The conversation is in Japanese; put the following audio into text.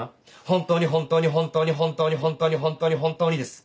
本当に本当に本当に本当に本当に本当に本当にです。